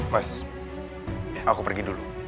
mas aku pergi dulu